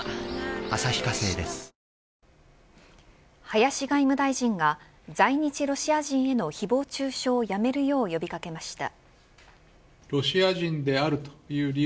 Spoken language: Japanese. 林外務大臣が在日ロシア人への誹謗中傷をやめるよう呼び掛けました。